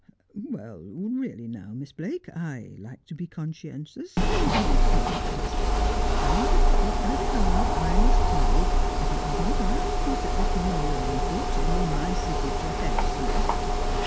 ' Well, really now, Miss Blake, I like to be conscientious even in small matters, and, to speak by the card, I must tell you that it was not I who set this memorial on foot, though my signature heads the list.